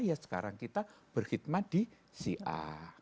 ya sekarang kita berkhidmat di si a